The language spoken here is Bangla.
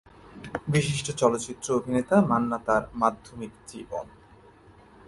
বিশিষ্ট চলচ্চিত্র অভিনেতা মান্না তার মাধ্যমিক জীবন।